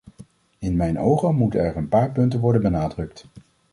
In mijn ogen moeten er een paar punten worden benadrukt.